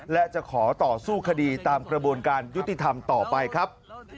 และจะขอต่อสู้คดีตามกระบวนการยุติธรรมต่อไปครับ